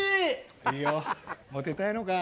いいよモテたいのか。